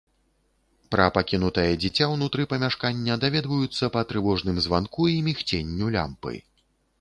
Пра пакінутае дзіця ўнутры памяшкання даведваюцца па трывожным званку і мігценню лямпы.